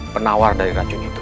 penawar dari racun itu